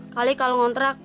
kali kalau ngontrak